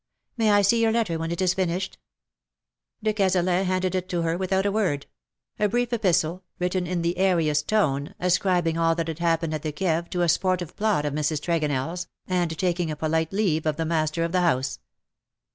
May I see your letter when it is finished T' De Cazalet handed it to her without a word — a brief epistle, written in the airiest tone, ascribing all that had happened at the Kieve to a sportive plot of Mrs. TregonelFs, and taking a polite leave of the master of the house.